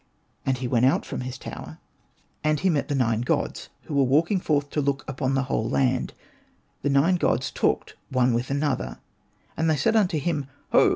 And he went out from his tower, and he 5 Hosted by Google 50 ANPU AND BATA met the Nine Gods, who were walking forth to look upon the whole land. The Nine Gods talked one with another, and they said unto him, *' Ho